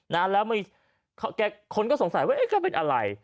นานแล้วคนก็สงสัยว่าแกเป็นอะไร